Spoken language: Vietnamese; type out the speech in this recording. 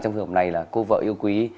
trong trường hợp này là cô vợ yêu quý